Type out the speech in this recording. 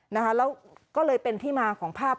แล้วก็เลยเป็นที่มาของภาพ